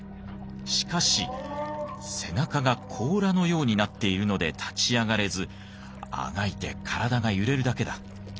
しかし背中が甲羅のようになっているので立ち上がれずあがいて体が揺れるだけだ。